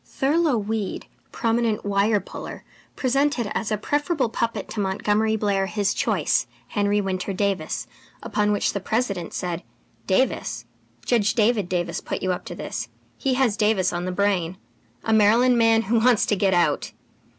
Thurlow Weed, prominent "wire puller," presented as a preferable puppet to Montgomery Blair his choice, Henry Winter Davis, upon which the President said: "Davis? Judge David Davis put you up to this. He has Davis on the brain. A Maryland man who wants to get out!